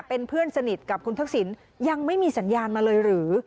เป็นเพื่อนสนิทกับคุณทักษิณยังไม่มีสัญญาณมาเลยหรือ